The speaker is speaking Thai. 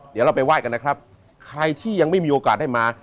เดี๋ยวเราไปไห้กันนะครับใครที่ยังไม่มีโอกาสได้มา